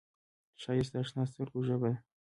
ښایست د اشنا سترګو ژبه ده